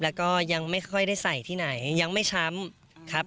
แล้วก็ยังไม่ค่อยได้ใส่ที่ไหนยังไม่ช้ำครับ